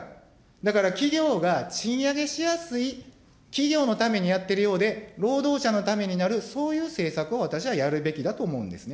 だから企業が賃上げしやすい、企業のためにやってるようで、労働者のためになる、そういう政策を、私はやるべきだと思うんですね。